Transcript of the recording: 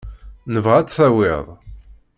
Nebɣa ad tt-tawiḍ.